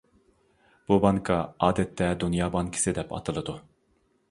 بۇ بانكا ئادەتتە «دۇنيا بانكىسى» دەپ ئاتىلىدۇ.